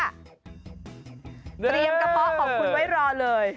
เตรียมกระเพาะของคุณไว้รอเลย